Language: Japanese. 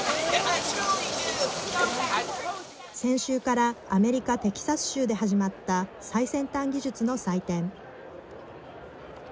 先週からアメリカ、テキサス州で始まった最先端技術の祭典。